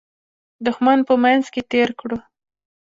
دښمن په منځ کې تېر کړو.